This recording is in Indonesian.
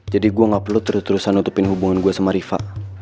jadi gua gak perlu terus terusan nutupin hubungan gua sama riva